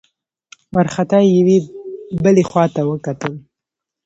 وارخطا يې يوې بلې خواته وکتل.